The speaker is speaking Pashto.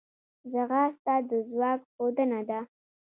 ځغاسته د ځواک ښودنه ده